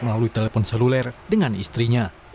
melalui telepon seluler dengan istrinya